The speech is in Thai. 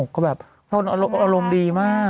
ก็แบบอารมณ์ดีมาก